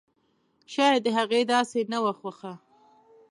شايد د هغې داسې نه وه خوښه!